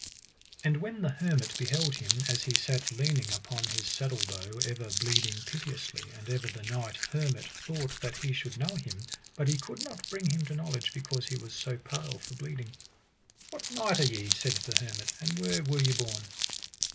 And when the hermit beheld him, as he sat leaning upon his saddle bow ever bleeding piteously, and ever the knight hermit thought that he should know him, but he could not bring him to knowledge because he was so pale for bleeding. What knight are ye, said the hermit, and where were ye born?